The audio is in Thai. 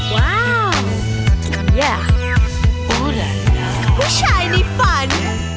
ว้าวผู้ชายในฝัน